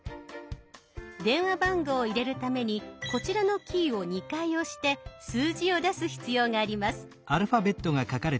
電話番号を入れるためにこちらのキーを２回押して数字を出す必要があります。